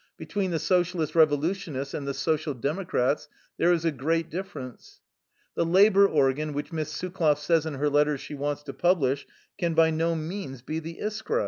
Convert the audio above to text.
Between the Socialist Revolutionists and the Social Democrats there is a great difference. ... The labor organ which Miss Sukloff says in her letters she wants to publish can by no means be the IsJcra.